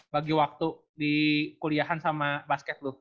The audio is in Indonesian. bagi waktu di kuliahan sama basket lu